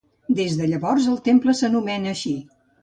Des de llavors, el temple s'ha anomenat així.